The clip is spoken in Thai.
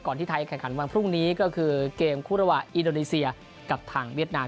ก่อนที่ไทยขันขันวันพรุ่งนี้ก็คือเกมฮุระวะอินโดนีเซียกับทางเวียดนาม